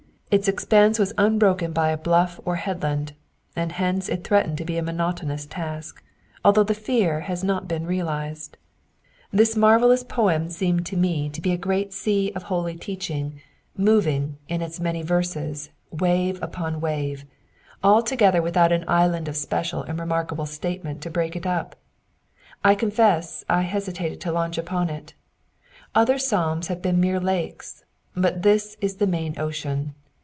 Its expanse was unbroken by a bluff or headland, and hence it . threatened a monotonous task, although the fear has not been realized. This marvellous poem seemed to me a great sea of IpfCAJ) ja;^ 41917380106 ^. ,,^^^^^^Google VI PREFACE. holy teaching, moving, in its many verses, wave upon wave ; altogether without an island of special and remarkable state ment to break it up. I confess I hesitated to launch upon it. Other psalms have been mere lakes, but this is the main ocean.